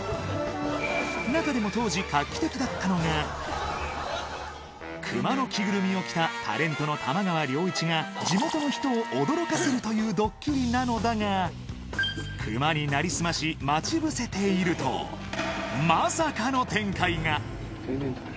中でも当時、画期的だったのが、熊の着ぐるみを着たタレントの玉川良一が、地元の人を驚かせるというどっきりなのだが、熊になりすまし、待ち伏せていると、まさかの展開が。